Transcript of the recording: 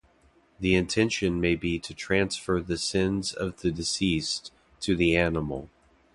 The intention may be to transfer the sins of the deceased to the animal.